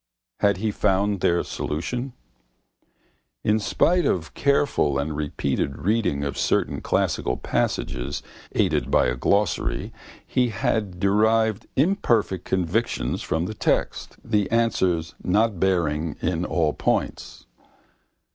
Had he found their solution? In spite of careful and repeated reading of certain classical passages, aided by a glossary, he had derived imperfect conviction from the text, the answers not bearing in all points.